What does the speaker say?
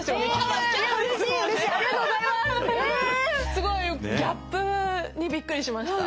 すごいギャップにびっくりしました。